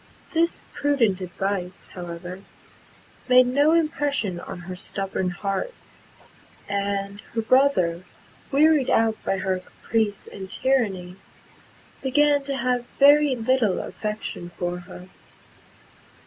This prudent advice, however, made no impression on her stubborn heart; and her brother, wearied out by her caprice and tyranny, began to have very little affection for her.